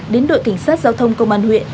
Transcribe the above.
đến đội cảnh sát giao thông công an huyện